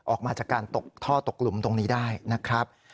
ออกมาจากการตกท่อตกหลุมตรงนี้ได้นะครับ